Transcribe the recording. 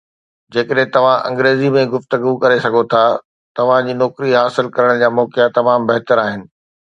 جيڪڏهن توهان انگريزي ۾ گفتگو ڪري سگهو ٿا، توهان جي نوڪري حاصل ڪرڻ جا موقعا تمام بهتر آهن